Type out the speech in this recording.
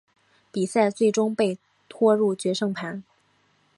比赛最终被拖入决胜盘。